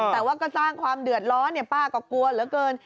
แต่ว่าก็สร้างความเดือดร้อนป้าก็กลัวเหลือเกิน